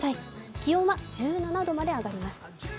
気温は１７度まで上がります。